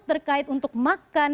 terkait untuk makan